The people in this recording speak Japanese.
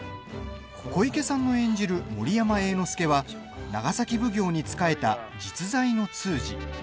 小池さんの演じる森山栄之助は長崎奉行に仕えた実在の通詞。